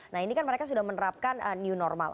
nah ini kan mereka sudah menerapkan new normal